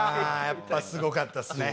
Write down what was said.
やっぱすごかったですね。